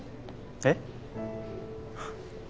えっ？